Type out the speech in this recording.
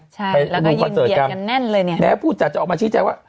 ใช่แล้วก็ยืนเบียบกันแน่นเลยเนี่ยพูดจากจะออกมาชิดใจว่า